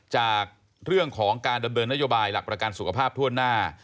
จากเรื่องของการดำเนินนโยบายหลักประกันสุขภาพทั่วหน้า